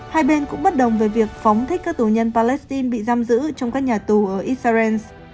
hai bên cũng bất đồng về việc phóng thích các tù nhân palestine bị giam giữ trong các nhà tù ở israel